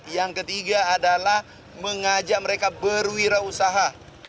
yang ketiga adalah mengajak mereka berwirausaha